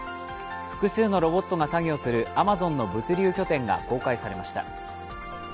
複数のロボットが作業するアマゾンの物流拠点が公開されました。